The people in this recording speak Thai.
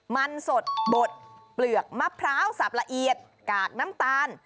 มันสดบดเปลือกมะพร้าวสับละเอียดกากน้ำตาล